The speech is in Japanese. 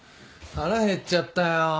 腹減っちゃったよ。